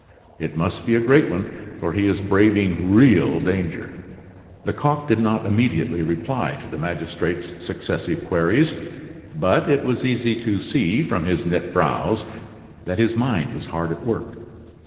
It must be a great one, for he is braving real danger!" Lecoq did not immediately reply to the magistrate's successive queries, but it was easy to see from his knit brows that his mind was hard at work.